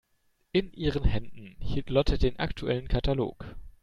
In ihren Händen hielt Lotte den aktuellen Katalog.